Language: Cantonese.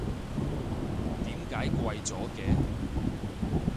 點解貴咗嘅？